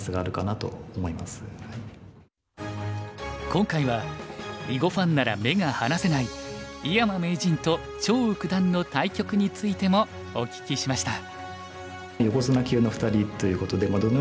今回は囲碁ファンなら目が離せない井山名人と張栩九段の対局についてもお聞きしました。